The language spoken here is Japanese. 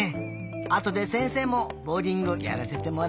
あとでせんせいもボウリングやらせてもらおうかな。